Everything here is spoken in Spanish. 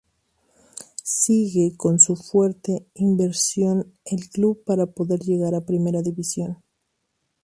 Sigue con su fuerte inversión el club para poder llegar a Primera División.